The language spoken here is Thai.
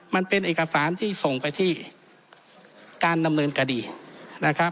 มันเป็นเอกสารที่ส่งไปที่การดำเนินคดีนะครับ